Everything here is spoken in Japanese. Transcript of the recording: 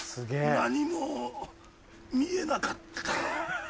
何も見えなかった。